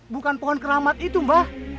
bukan pohon keramat itu mbah